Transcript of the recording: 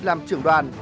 làm trưởng đoàn